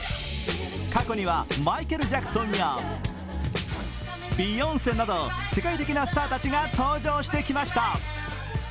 過去にはマイケル・ジャクソンやビヨンセなど、世界的なスターたちが登場してきました。